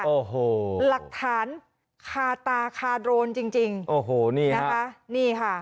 โอ้โหหลักฐานคาตาคาโดรนจริงจริงโอ้โหนี่นะคะนี่ค่ะ